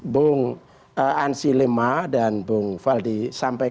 bung ansy lima dan bung faldi